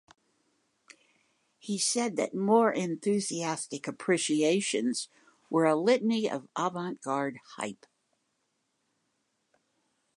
He said that more enthusiastic appreciations were a litany of avant-garde hype.